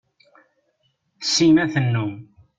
Sima tennum.